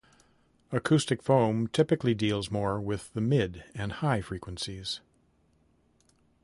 Acoustic foam typically deals more with the mid and high frequencies.